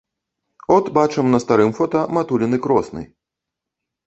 От бачым на старым фота матуліны кросны!